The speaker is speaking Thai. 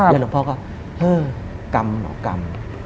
แล้วหนูพ่อก็เฮ้ยกรรมหรอกรรม